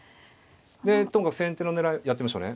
でともかく先手の狙いをやってみましょうね。